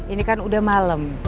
ini kan udah malem